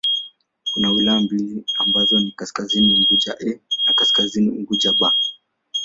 Kuna wilaya mbili ambazo ni Kaskazini Unguja 'A' na Kaskazini Unguja 'B'.